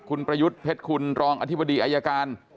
คุณประยุทธ์เพชรคุณรองอธิบดีอายการ